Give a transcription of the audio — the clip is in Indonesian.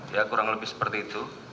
ya kurang lebih seperti itu